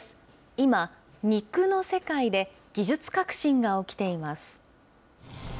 今、肉の世界で技術革新が起きています。